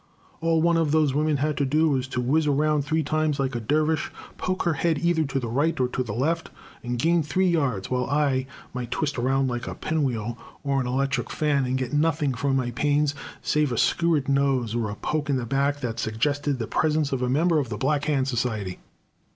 All one of those women had to do was to whizz around three times like a dervish, poke her head either to the right or to the left, and gain three yards, while I might twist around like a pinwheel, or an electric fan, and get nothing for my pains save a skewered nose, or a poke in the back that suggested the presence of a member of the Black Hand Society.